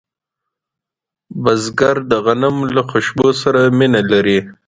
بزګر د غنمو له خوشبو سره مینه لري